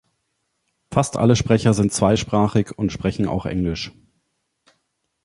Fast alle Sprecher sind zweisprachig und sprechen auch Englisch.